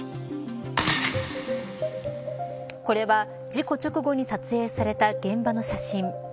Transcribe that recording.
これは事故直後に撮影された現場の写真。